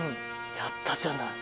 やったじゃない。